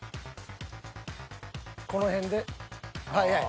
［この辺ではいはい］